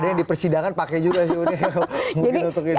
ada yang di persidangan pakai juga sih uni